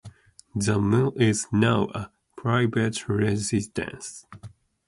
The Mill is now a private residence.